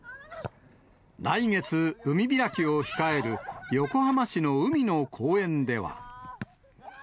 来月、海開きを控える横浜市の海の公園では。